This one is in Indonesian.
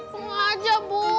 bunga aja bu